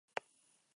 Ryo Kanazawa